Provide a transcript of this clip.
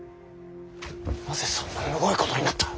なぜそんなむごいことになった？